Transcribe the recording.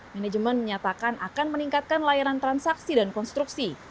manajemen menyatakan akan meningkatkan layanan transaksi dan konstruksi